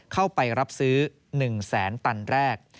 เข้าไปรับซื้อ๑แสนตันแรก